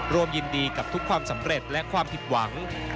ร่วมยินดีกับทุกความสำเร็จและความผิดหวัง